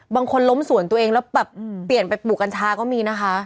บางคนล้มสวนตัวเองแล้วแบบเปลี่ยนไปปลูกกัญชาก็มีนะคะ